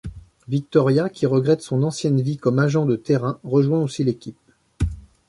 Victoria, qui regrette son ancienne vie comme agent de terrain, rejoint aussi l'équipe.